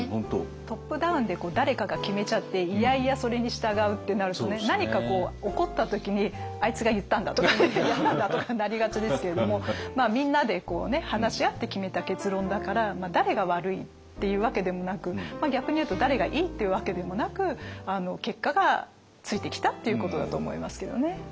トップダウンで誰かが決めちゃって嫌々それに従うってなると何か起こった時にあいつが言ったんだとかねやったんだとかになりがちですけれどもみんなで話し合って決めた結論だから誰が悪いっていうわけでもなく逆に言うと誰がいいっていうわけでもなく結果がついてきたっていうことだと思いますけどね。